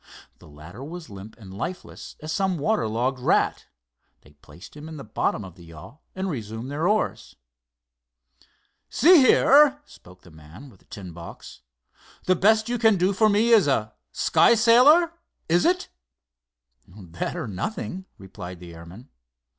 The latter was limp and lifeless as some water logged rat. They placed him in the bottom of the yawl and resumed their oars. "See here," spoke the man with the tin box, "the best you can do for me is a sky sailor, is it?" "That, or nothing," replied the airman.